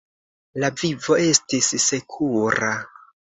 La vivo estis sekura.